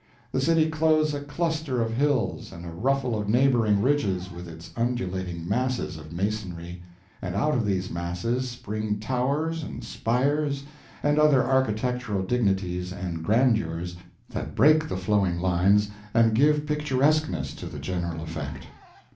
The city clothes a cluster of hills and a ruffle of neighboring ridges with its undulating masses of masonry, and out of these masses spring towers and spires and other architectural dignities and grandeurs that break the flowing lines and give picturesqueness to the general effect.